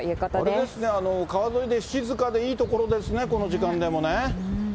あれですね、川沿いで静かでいい所ですね、この時間でもね。